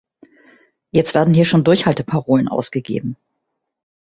Jetzt werden hier schon Durchhalteparolen ausgegeben!